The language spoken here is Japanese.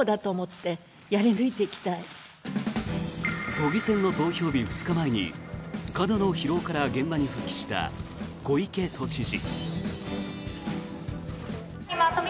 都議選の投票日２日前に過度の疲労から現場に復帰した小池知事。